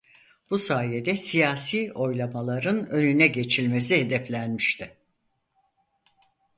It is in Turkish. Bu sayede siyasi oylamaların önüne geçilmesi hedeflenmişti.